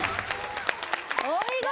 お見事！